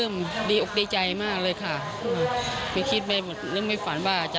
ไม่ได้พอขออินมารดไฟค่ะ